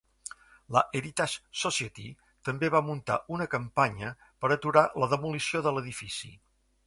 La Heritage Society també va muntar una campanya per aturar la demolició de l'edifici.